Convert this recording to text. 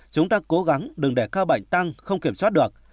chúng ta cố gắng đừng để ca bệnh tăng không kiểm soát được